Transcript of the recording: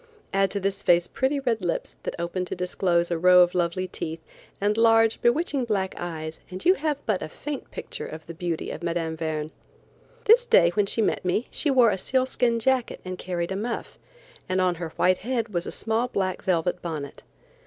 Add to this face pretty red lips, that opened disclose a row of lovely teeth, and large, bewitching black eyes, and you have but a faint picture of the beauty of Mme. Verne. This day when she met me she wore a sealskin jacket and carried a muff, and on her white head was a small black velvet bonnet.